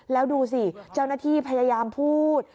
แล้วดูสิเจ้าหน้าที่พยายามพูด